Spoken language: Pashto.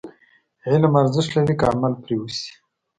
علم ارزښت لري، که عمل پرې وشي.